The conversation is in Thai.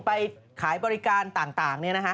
ไปขายบริการต่าง